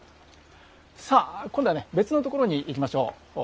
さあ、今度は別の所に行きましょう。